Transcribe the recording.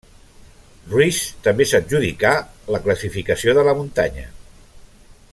Ruiz també s'adjudicà la classificació de la muntanya.